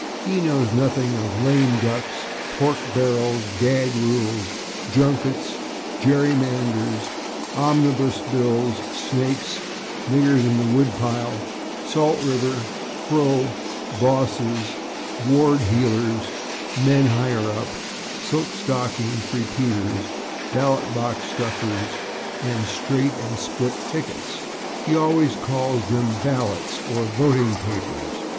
He knows nothing of /lame ducks/, /pork barrels/, /gag rule/, /junkets/, /gerrymanders/, /omnibus bills/, /snakes/, /niggers in the woodpile/, /Salt river/, /crow/, /bosses/, /ward heelers/, /men higher up/, /silk stockings/, /repeaters/, /ballot box stuffers/ and /straight/ and /split tickets/ (he always calls them /ballots/ or /voting papers